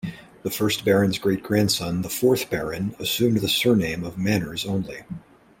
The first Baron's great-grandson, the fourth Baron, assumed the surname of Manners only.